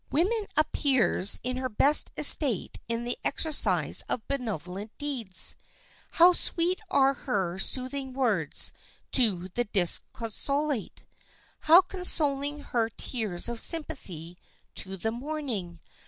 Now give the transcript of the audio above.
Woman appears in her best estate in the exercise of benevolent deeds. How sweet are her soothing words to the disconsolate! How consoling her tears of sympathy to the mourning!